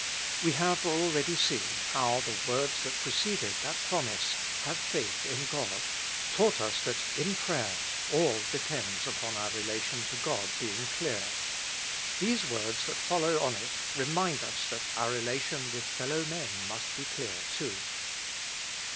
We have already seen how the words that preceded that promise, " Have faith in God," taught us that in prayer all depends upon our relation to God being clear ; these words that follow on it remind us that our relation with fellow men must be clear too.